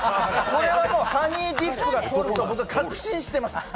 これはもうハニーディップがとると僕は確信しています。